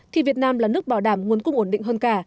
thì việt nam là nước bảo đảm nguồn cung ổn định hơn cả